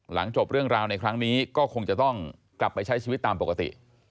จบเรื่องราวในครั้งนี้ก็คงจะต้องกลับไปใช้ชีวิตตามปกติ